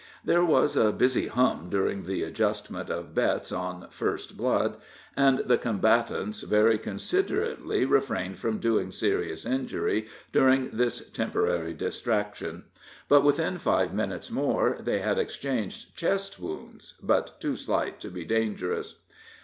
There was a busy hum during the adjustment of bets on "first blood," and the combatants very considerately refrained from doing serious injury during this temporary distraction; but within five minutes more they had exchanged chest wounds, but too slight to be dangerous.